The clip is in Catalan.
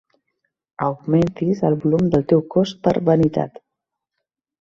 Augmentis el volum del teu cos per vanitat.